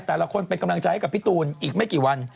แต่ละคนเป็นกำลังใจให้กับพี่ตูนอีกไม่กี่วัน